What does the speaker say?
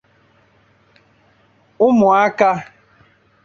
Ụmụatụọra